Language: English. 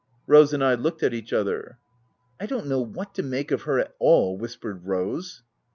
Rose and I looked at each other. u I don't know what to make of her, at all," whispered Rose.